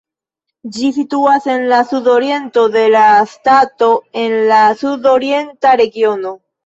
Ĝi situas en la sudoriento de la stato en la Sudorienta regiono.